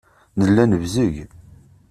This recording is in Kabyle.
Nella nebzeg.